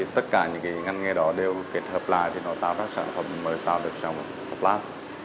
tất cả những ngành nghề đó đều kết hợp lại tạo ra sản phẩm mới tạo được sản phẩm pháp nam